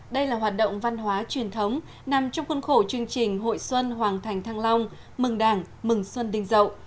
đây là hoạt động văn hóa truyền thống nằm trong khuôn khổ chương trình hội xuân hoàng thành thăng long mừng đảng mừng xuân đình dậu